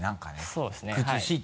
そうですねはい。